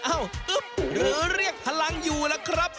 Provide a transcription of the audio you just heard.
หรือเรียกพลังอยู่ล่ะครับ